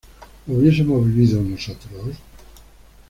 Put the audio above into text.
¿hubiésemos vivido nosotros?